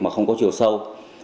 mà không có chiều sâu